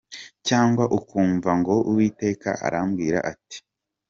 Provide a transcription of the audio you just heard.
Cyangwa ukumva ngo “Uwiteka arambwira ati.